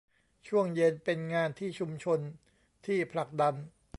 ช่วงเย็นเป็นงานที่ชุมชนที่ผลักดัน